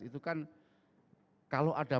itu kan kalau ada